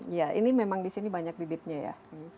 iya ini memang disini banyak bibitnya ya